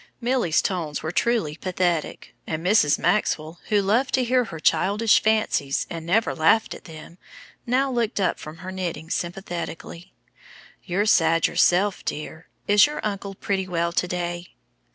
Milly's tone was truly pathetic, and Mrs. Maxwell, who loved to hear her childish fancies and never laughed at them, now looked up from her knitting sympathetically "You're sad yourself, dear. Is your uncle pretty well to day?"